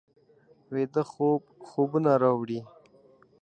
ویده خوب خوبونه راوړي